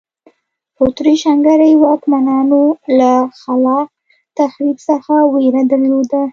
په اتریش هنګري واکمنانو له خلاق تخریب څخه وېره درلوده.